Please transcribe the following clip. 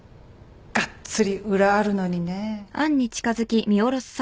がっつり裏あるのにね。